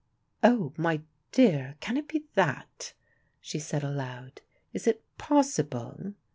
"Oh, my dear, can it be that?" she said aloud. "Is it possible?"